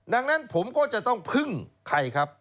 ดังนั้นผมก็จะต้องพึ่งใครครับ